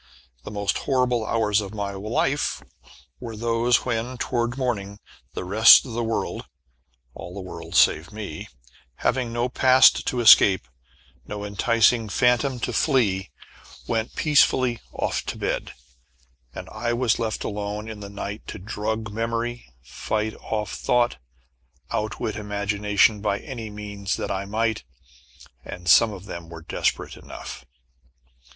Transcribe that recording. The most terrible hours of my life were those when, toward morning, the rest of the world all the world save me having no past to escape, no enticing phantom to flee, went peacefully off to bed, and I was left alone in the night to drug memory, fight off thought, outwit imagination by any means that I might and some of them were desperate enough.